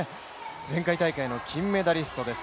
前回大会の金メダリストです。